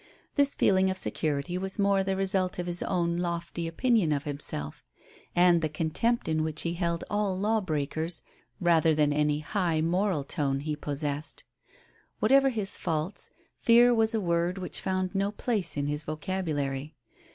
This feeling of security was more the result of his own lofty opinion of himself, and the contempt in which he held all law breakers, rather than any high moral tone he possessed. Whatever his faults, fear was a word which found no place in his vocabulary.